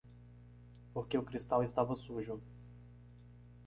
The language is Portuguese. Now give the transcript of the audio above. Porque o cristal estava sujo.